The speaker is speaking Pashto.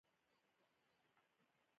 د میاشتنۍ ناروغۍ نیټه مو منظمه ده؟